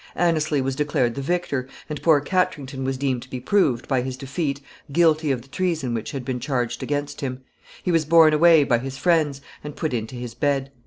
Anneslie was declared the victor, and poor Katrington was deemed to be proved, by his defeat, guilty of the treason which had been charged against him. He was borne away by his friends, and put into his bed.